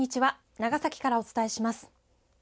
長崎からお伝えします。